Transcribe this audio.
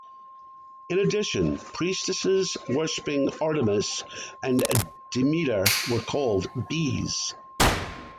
In addition, priestesses worshipping Artemis and Demeter were called "Bees".